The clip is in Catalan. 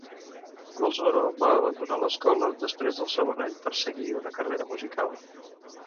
Goldsboro va abandonar l'escola després del segon any per seguir una carrera musical.